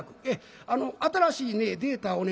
あの新しいねデータをね